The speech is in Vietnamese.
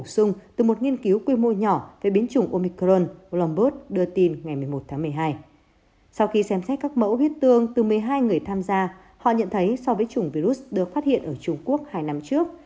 sau khi xem xét các mẫu huyết tương từ một mươi hai người tham gia họ nhận thấy so với chủng virus được phát hiện ở trung quốc hai năm trước